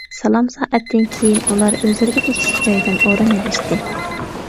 سالام-سائەتتىن كېيىن ئۇلار ئۆزلىرىگە تېگىشلىك جايدىن ئورۇن ئېلىشتى.